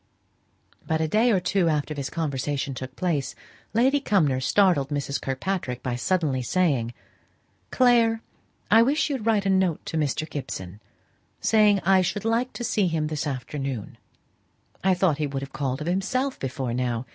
But a day or two after this conversation took place, Lady Cumnor startled Mrs. Kirkpatrick, by saying suddenly, "Clare, I wish you'd write a note to Mr. Gibson, saying I should like to see him this afternoon. I thought he would have called of himself before now.